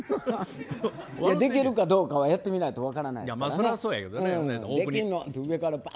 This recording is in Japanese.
できるかどうかはやってみないと分からないですから。